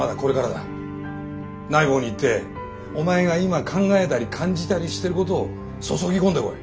ナイボウに行ってお前が今考えたり感じたりしてることを注ぎ込んでこい。